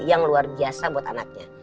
yang luar biasa buat anaknya